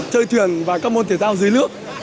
chơi thuyền và các môn thể thao dưới nước